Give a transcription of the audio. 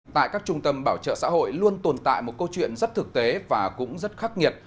tại các trung tâm bảo trợ xã hội luôn tồn tại một câu chuyện rất thực tế và cũng rất khắc nghiệt